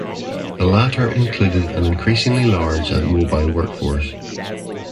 The latter included an increasingly large and mobile workforce.